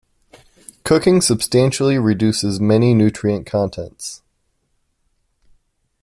Cooking substantially reduces many nutrient contents.